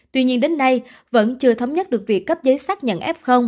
tuy nhiên đến nay vẫn chưa thống nhất được việc cấp giấy xác nhận f